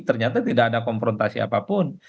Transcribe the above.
ternyata tidak ada konfrontasi apapun